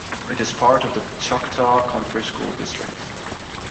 It is part of the Choctaw County School District.